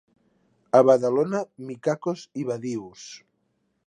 A Badalona, micacos i badius.